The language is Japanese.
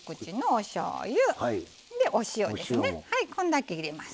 はいこんだけ入れます。